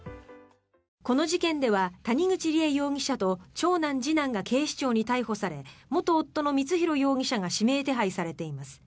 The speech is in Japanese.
この事件では谷口梨恵容疑者と長男、次男が警視庁に逮捕され元夫の光弘容疑者が指名手配されています。